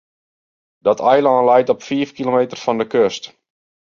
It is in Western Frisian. Dat eilân leit op fiif kilometer fan de kust.